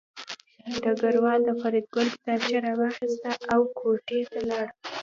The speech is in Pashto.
ډګروال د فریدګل کتابچه راواخیسته او کوټې ته لاړ